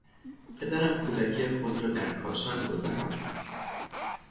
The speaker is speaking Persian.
پدرم کودکی خود را در کاشان گذراند.